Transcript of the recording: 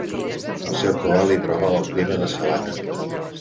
Al seu cabal hi preval el clima de sabana.